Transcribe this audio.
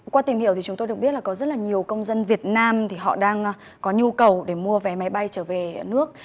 qua tìm hiểu thì chúng tôi được biết là có rất là nhiều công dân việt nam thì họ đang có nhu cầu để mua vé máy bay trở về nước